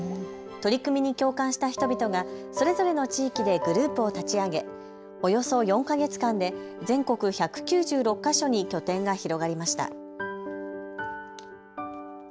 取り組みに共感した人々がそれぞれの地域でグループを立ち上げ、およそ４か月間で全国１９６か所に拠点が広がりました。